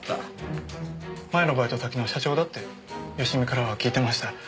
前のバイト先の社長だって佳美からは聞いてました。